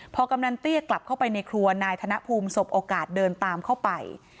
พอกำนันเตี้ยกลับเข้าไปในครัวนายธนภูมิสบโอกาสเดินตามเข้าไป